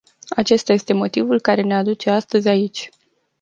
Acesta este motivul care ne aduce astăzi aici.